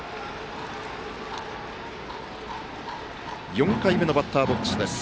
４回目のバッターボックスです。